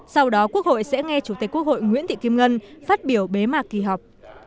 sau đó quốc hội sẽ nghe chủ tịch quốc hội nguyễn thị kim ngân phát biểu bế mạc kỳ họp